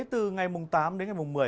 từ ngày tám đến ngày một mươi